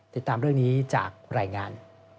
ติดตามเรื่องนี้จากรายงาน